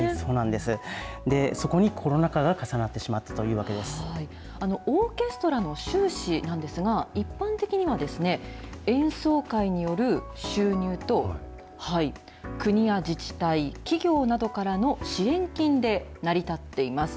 で、そこにコロナ禍が重なってしオーケストラの収支なんですが、一般的にはですね、演奏会による収入と、国や自治体、企業などからの支援金で成り立っています。